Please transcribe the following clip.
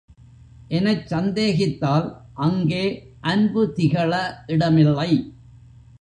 எனச் சந்தேகித்தால் அங்கே அன்பு திகழ இடமில்லை.